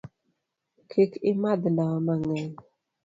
Kik imadh ndawa mang'eny.